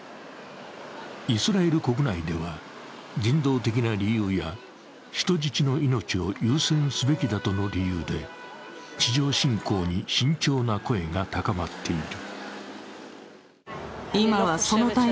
イスラエル国内では、人道的な理由や人質の命を優先すべきだとの理由で、地上侵攻に慎重な声が高まっている。